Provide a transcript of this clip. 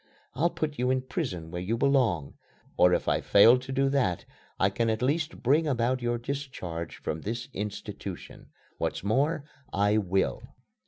I'll put you in prison where you belong. Or if I fail to do that, I can at least bring about your discharge from this institution. What's more, I will."